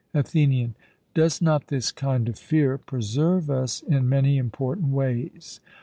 ATHENIAN: Does not this kind of fear preserve us in many important ways?